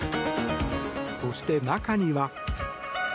そして、中には。